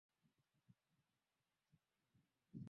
Janet aliandika mashairi mabaya